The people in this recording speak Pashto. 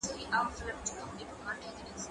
کېدای سي مينه پټه وي!؟